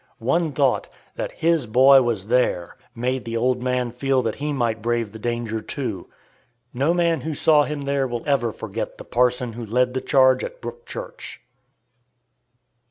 One thought that his boy was there made the old man feel that he might brave the danger, too. No man who saw him there will ever forget the parson who led the charge at Brook Church.